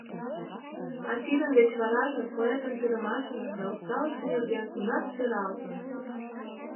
А тидын деч вараже поэтын пӱрымашыже да усталыкше нерген тунар сералтын!